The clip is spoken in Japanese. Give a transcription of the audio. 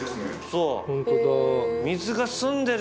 そう。